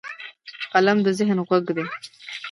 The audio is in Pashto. قلم د ذهن غوږ دی